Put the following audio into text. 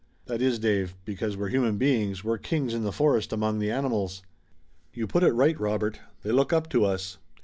"That is, Dave, because we're human beings we're kings in the forest among the animals." "You put it right, Robert. They look up to us.